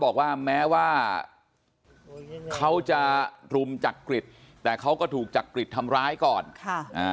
บอกว่าแม้ว่าเขาจะรุมจักริตแต่เขาก็ถูกจักริตทำร้ายก่อนค่ะอ่า